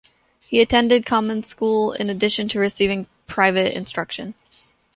He attended common school in addition to receiving private instruction.